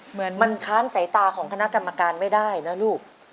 เหมือนมันค้านสายตาของคณะกรรมการไม่ได้นะลูก